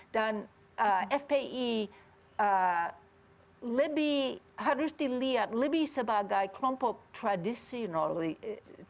dan fpi harus dilihat lebih sebagai kelompok pro isis